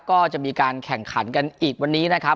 ก็จะมีการแข่งขันกันอีกวันนี้นะครับ